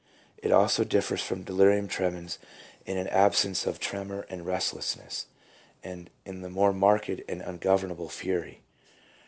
6 It also differs from delirium tremens by an absence of tremor and restlessness, and in the more marked and ungovernable fury.